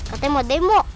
katanya mau demo